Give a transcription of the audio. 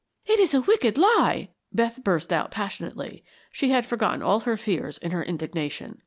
"It is a wicked lie," Beth burst out, passionately. She had forgotten all her fears in her indignation.